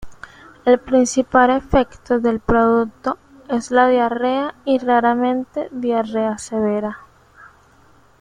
El principal efecto del producto es la Diarrea y raramente diarrea severa.